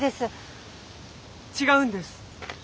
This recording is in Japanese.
違うんです。